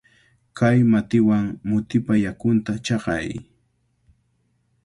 Kay matiwan mutipa yakunta chaqay.